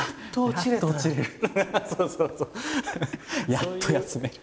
やっと休める。